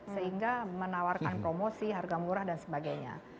sehingga menawarkan promosi harga murah dan sebagainya